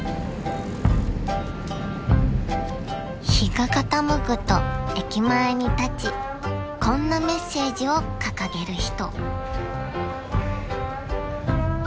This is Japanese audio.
［日が傾くと駅前に立ちこんなメッセージを掲げる人］